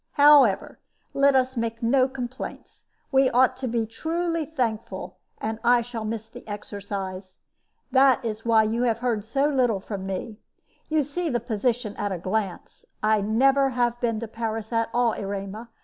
However, let us make no complaints. We ought to be truly thankful; and I shall miss the exercise. That is why you have heard so little from me. You see the position at a glance. I have never been to Paris at all, Erema.